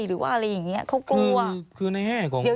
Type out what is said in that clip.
หรือว่าอะไรอย่างนี้เขากลัว